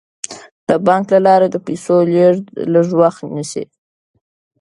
د بانک له لارې د پيسو لیږد لږ وخت نیسي.